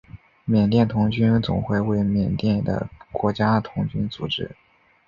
缅甸童军总会为缅甸的国家童军组织。